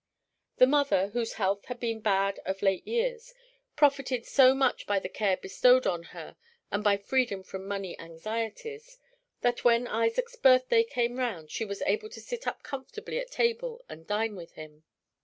The mother, whose health had been bad of late years, profited so much by the care bestowed on her and by freedom from money anxieties, that when Isaac's birthday came round she was able to sit up comfortably at table and dine with him.